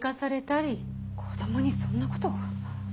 子供にそんな事を？